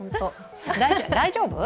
大丈夫？